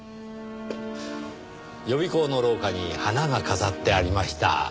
予備校の廊下に花が飾ってありました。